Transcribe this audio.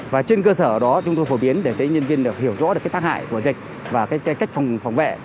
và trên cơ sở đó chúng tôi phổ biến để thấy nhân viên hiểu rõ được cái tác hại của dịch và cái cách phòng vệ